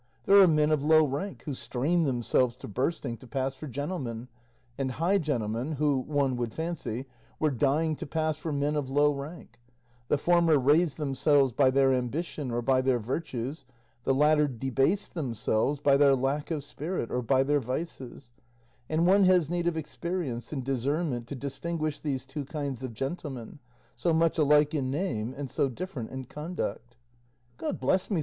There are men of low rank who strain themselves to bursting to pass for gentlemen, and high gentlemen who, one would fancy, were dying to pass for men of low rank; the former raise themselves by their ambition or by their virtues, the latter debase themselves by their lack of spirit or by their vices; and one has need of experience and discernment to distinguish these two kinds of gentlemen, so much alike in name and so different in conduct." "God bless me!"